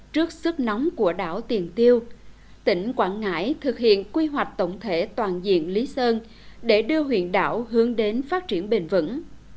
trước sức nóng của đảo tiền tiêu tỉnh quảng ngãi thực hiện quy hoạch tổng thể toàn diện lý sơn để đưa huyện đảo hướng đến phát triển bền vững